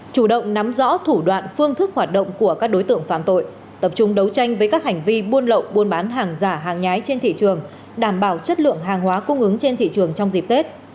chủ động nắm rõ thủ đoạn phương thức hoạt động của các đối tượng phạm tội tập trung đấu tranh với các hành vi buôn lậu buôn bán hàng giả hàng nhái trên thị trường đảm bảo chất lượng hàng hóa cung ứng trên thị trường trong dịp tết